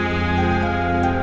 terus berutangku sayang